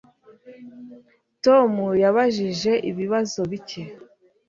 Tom yabajije ibibazo bike